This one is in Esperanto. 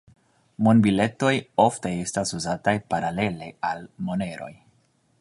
Monbiletoj ofte estas uzataj paralele al moneroj.